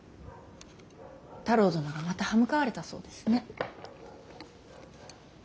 太郎殿がまた刃向かわれたそうですね。